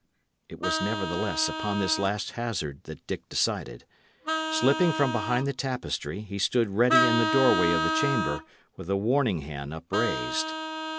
It was, nevertheless, upon this last hazard that Dick decided. Slipping from behind the tapestry, he stood ready in the doorway of the chamber, with a warning hand upraised.